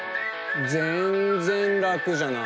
ぜんぜんラクじゃない。